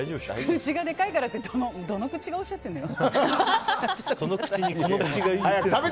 口がでかいからってどの口がおっしゃってるのよ！